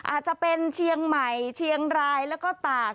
อาจจะเป็นเชียงใหม่เชียงรายแล้วก็ตาก